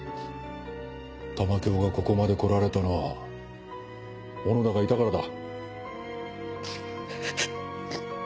玉響がここまでこられたのは小野田がいたからだ。